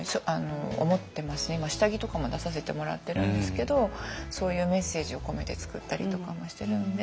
今下着とかも出させてもらってるんですけどそういうメッセージを込めて作ったりとかもしてるんで。